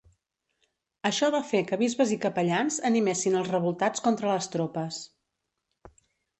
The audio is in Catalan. Això va fer que bisbes i capellans animessin als revoltats contra les tropes.